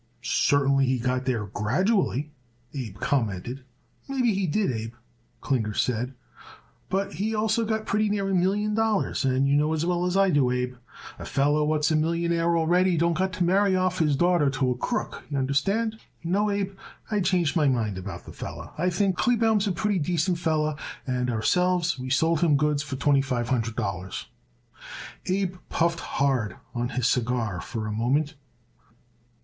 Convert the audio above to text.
"Certainly, he got there gradually," Abe commented. "Maybe he did, Abe," Klinger said, "but he also got pretty near a million dollars, and you know as well as I do, Abe, a feller what's a millionaire already don't got to marry off his daughter to a crook, y'understand. No, Abe, I changed my mind about that feller. I think Kleebaum's a pretty decent feller, and ourselves we sold him goods for twenty five hundred dollars." Abe puffed hard on his cigar for a moment.